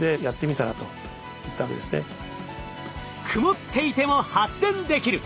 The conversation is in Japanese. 曇っていても発電できる！